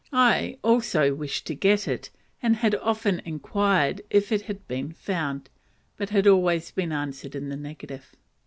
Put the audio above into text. I also wished to get it, and had often inquired if it had been found, but had always been answered in the negative.